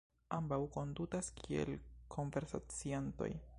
Ambaŭ kondutas kiel konversaciantoj.